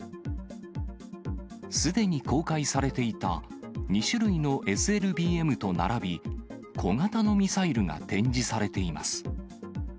すでに公開されていた２種類のＳＬＢＭと並び、小型のミサイルが展示されています。